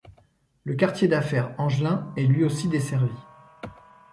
Le quartier d'affaires angelin est lui aussi desservi.